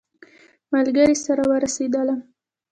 ملګري سره ورسېدلم.